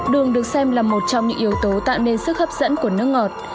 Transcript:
đường được xem là một trong những yếu tố tạo nên sức hấp dẫn của nước ngọt